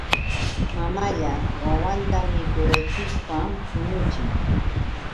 Mamalla wawinta mikurachishpam puñuchin.